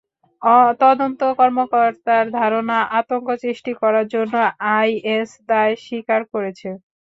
তদন্ত কর্মকর্তার ধারণা, আতঙ্ক সৃষ্টি করার জন্য আইএস দায় স্বীকার করেছে।